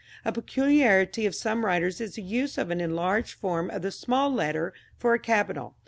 A peculiarity of some writers is the use of an enlarged form of the small letter for a capital.